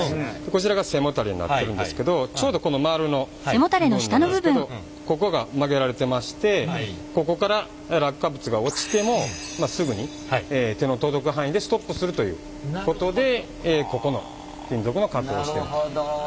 こちらが背もたれになっとるんですけどちょうどこのまるの部分なんですけどここが曲げられてましてここから落下物が落ちてもすぐに手の届く範囲でストップするということでここの金属の加工をしてるということです。